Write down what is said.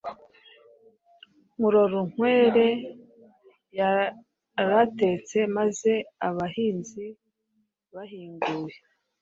Murorunkwere yaratetse maze, abahinzi bahinguye,